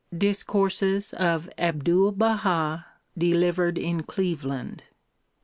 Discourses of Abdul Baha delivered in Cleveland.